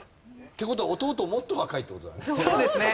って事は弟もっと若いって事だね。